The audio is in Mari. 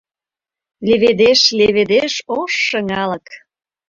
Леведеш, леведеш ош шыҥалык